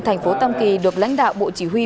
thành phố tam kỳ được lãnh đạo bộ chỉ huy